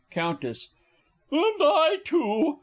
Countess. And I too!